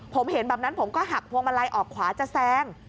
ผมเห็นแบบนั้นผมก็หักพวงมาลัยออกขวาจะแซง